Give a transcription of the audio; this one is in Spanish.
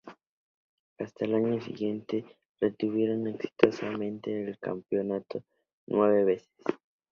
Hasta el año siguiente, retuvieron exitosamente el campeonato nueve veces.